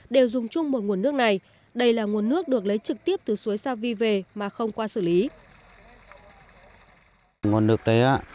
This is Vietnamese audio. đều dùng chung một nguồn nước này đây là nguồn nước được lấy trực tiếp từ suối sa vi về mà không qua xử lý